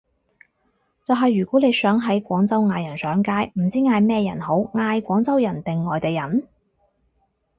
就係如果你想喺廣州嗌人上街，唔知嗌咩人好，嗌廣州人定外地人？